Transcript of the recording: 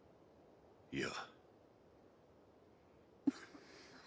いや。